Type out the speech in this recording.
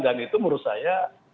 dan itu menurut saya